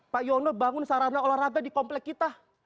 pak yono bangun sarana olahraga di komplek kita